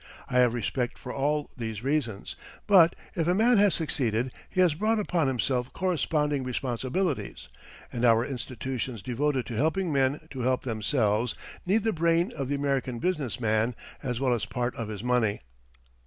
I have respect for all these reasons, but if a man has succeeded, he has brought upon himself corresponding responsibilities, and our institutions devoted to helping men to help themselves need the brain of the American business man as well as part of his money.